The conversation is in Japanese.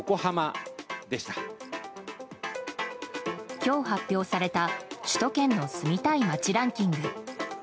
今日発表された首都圏の住みたい街ランキング。